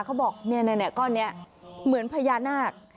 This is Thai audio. เขาบอกก้อนนี้เหมือนพญานาค